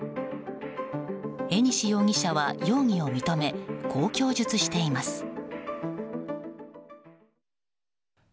江西容疑者は容疑を認めこう供述しています。